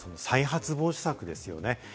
再発防止策ですよね。